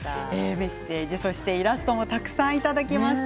メッセージ、イラストもたくさんいただきました。